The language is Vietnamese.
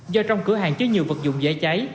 do trong cửa hàng chứa nhiều vật dụng dễ cháy